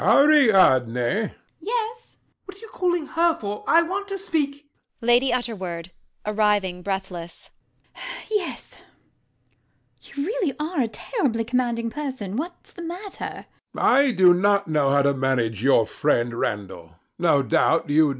LADY UTTERWORD [at some distance]. Yes. RANDALL. What are you calling her for? I want to speak LADY UTTERWORD [arriving breathless]. Yes. You really are a terribly commanding person. What's the matter? HECTOR. I do not know how to manage your friend Randall. No doubt you do.